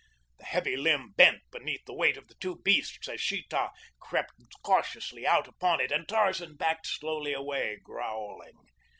The heavy limb bent beneath the weight of the two beasts as Sheeta crept cautiously out upon it and Tarzan backed slowly away, growling.